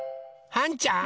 はんちゃん？